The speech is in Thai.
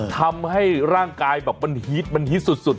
ทำให้ร่างกายแบบเฮีทต์